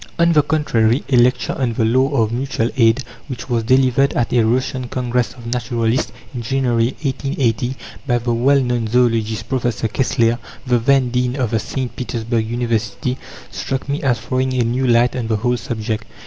On the contrary, a lecture "On the Law of Mutual Aid," which was delivered at a Russian Congress of Naturalists, in January 1880, by the well known zoologist, Professor Kessler, the then Dean of the St. Petersburg University, struck me as throwing a new light on the whole subject.